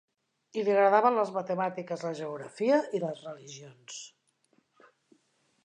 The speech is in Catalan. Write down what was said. I li agradaven les matemàtiques, la geografia i les religions.